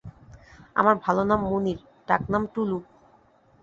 আমার ভালো নাম মুনির ডাক নাম টুলু।